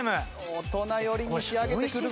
大人寄りに仕上げてくるぞ。